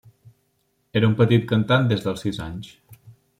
Era un petit cantant des dels sis anys.